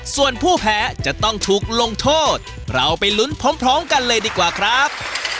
ส่วนผู้แพ้จะต้องถูกลงโทษเราไปลุ้นพร้อมกันเลยดีกว่าครับ